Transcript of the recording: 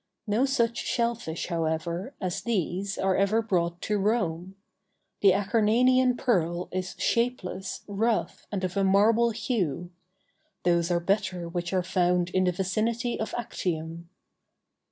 No such shell fish, however, as these are ever brought to Rome. The Acarnanian pearl is shapeless, rough, and of a marble hue; those are better which are found in the vicinity of Actium.